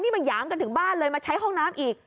นี่มาหยามกันถึงบ้านเลยมาใช้ห้องน้ำอีก